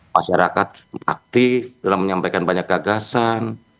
masyarakat aktif dalam menyampaikan banyak gagasan